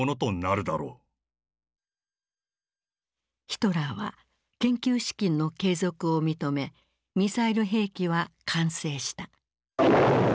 ヒトラーは研究資金の継続を認めミサイル兵器は完成した。